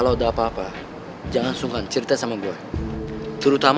ya kalau ada apa apa jangan sungkan cerita sama gue ya pokoknya kalau ada apa apa jangan sungkan cerita sama gue